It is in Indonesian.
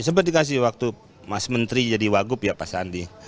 sempat dikasih waktu mas menteri jadi wagup ya pak sandi